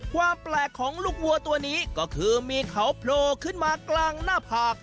ความแปลกของลูกวัวตัวนี้ก็คือมีเขาโผล่ขึ้นมากลางหน้าผาก